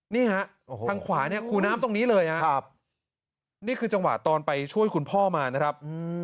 นี่ฮะทางขวาเนี่ยคูน้ำตรงนี้เลยครับนี่คือจังหวะตอนไปช่วยคุณพ่อมานะครับ